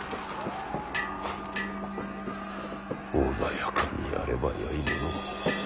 フッ穏やかにやればよいものを。